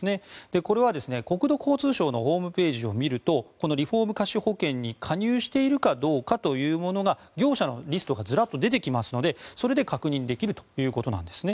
これは国土交通省のホームページを見るとこのリフォーム瑕疵保険に加入しているかどうかというものが業者のリストがズラッと出てきますのでそれで確認できるということなんですね。